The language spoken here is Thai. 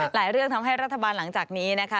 หลายเรื่องทำให้รัฐบาลหลังจากนี้นะคะ